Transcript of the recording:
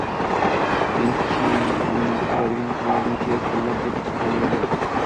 Men hamyonda turadigan pullarni “kerak pullar” deb hisoblaganman